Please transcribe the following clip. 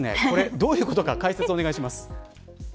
どういうことか解説をお願いします。